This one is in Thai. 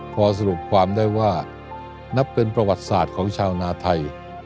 พอสรุปความได้ว่านับเป็นประวัติศาสตร์ของชาวนาไทย